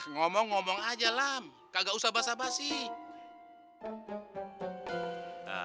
ngomong ngomong aja kagak usah basah basih